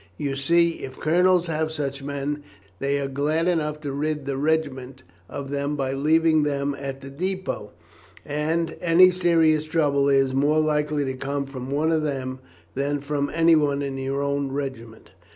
You see, if colonels have such men, they are glad enough to rid the regiment of them by leaving them at the depôt, and any serious trouble is more likely to come from one of them than from anyone in your own regiment."